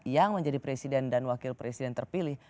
yang menjadi presiden dan wakil presiden terpilih